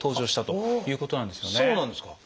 そうなんですか。